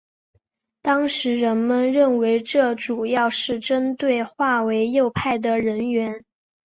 当时人们认为这主要是针对划为右派的人员。